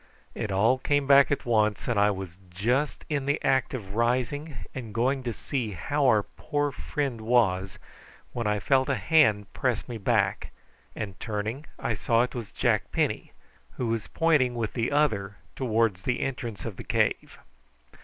It all came back at once, and I was just in the act of rising and going to see how our poor friend was, when I felt a hand press me back, and turning I saw it was Jack Penny, who was pointing with the other towards the entrance of the cave.